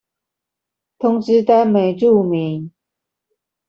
通知單沒註明